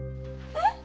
えっ⁉